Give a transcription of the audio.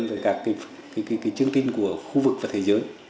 với các chương trình của khu vực và thế giới